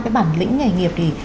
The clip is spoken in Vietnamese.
cái bản lĩnh nghề nghiệp